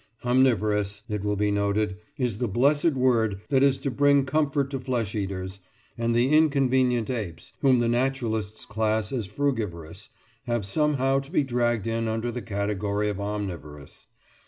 Omnivorous, it will be noted, is the blessed word that is to bring comfort to flesh eaters, and the inconvenient apes, whom the naturalists class as frugivorous, have somehow to be dragged in under the category of "omnivorous."